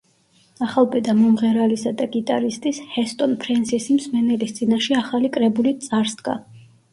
ახალბედა მომღერალისა და გიტარისტის ჰესტონ ფრენსისი მსმენელის წინაშე ახალი კრებულით წარსდგა.